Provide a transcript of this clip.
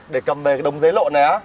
để cầm về cái đống giấy lộn này á